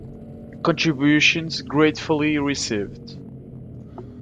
Contributions gratefully received